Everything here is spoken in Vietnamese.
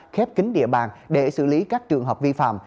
khép kính địa bàn để xử lý các trường hợp vi phạm